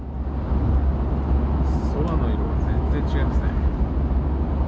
空の色が全然違いますね。